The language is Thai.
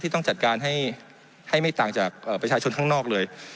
ต้องจัดการให้ไม่ต่างจากประชาชนข้างนอกเลย